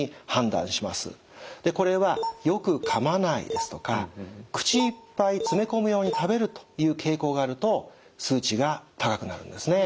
これは「よく噛まない」ですとか口いっぱい詰め込むように食べるという傾向があると数値が高くなるんですね。